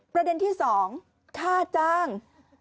ประเด็นที่สอง